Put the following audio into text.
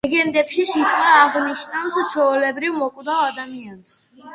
ლეგენდებში სიტყვა აღნიშნავს ჩვეულებრივ, მოკვდავ ადამიანს.